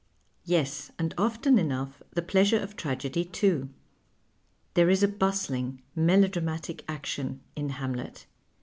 Yes. and often enough tlie |)leasure of tragedy, too. There is a bustling, melodramatic action in Hamlet.